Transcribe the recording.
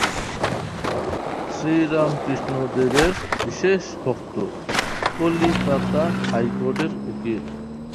শ্রীরামকৃষ্ণদেবের বিশেষ ভক্ত, কলিকাতা হাইকোর্টের উকিল।